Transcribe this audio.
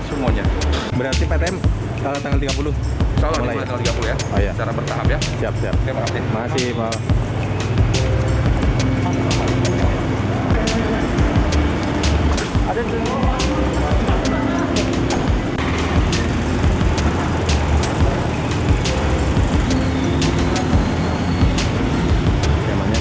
sama gaan gan expensive sy reproduksi petempel tanggal tiga puluh